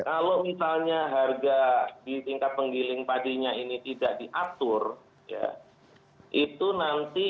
kalau misalnya harga di tingkat penggiling padinya ini tidak diatur ya itu nanti